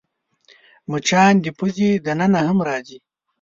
مچان د پوزې دننه هم راځي